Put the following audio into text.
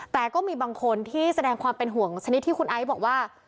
แต่ก็มีบางคนที่แสดงความเป็นห่วงชนิดที่คุณไอซ์บอกว่า